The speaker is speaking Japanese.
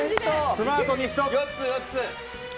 スマートに１つ。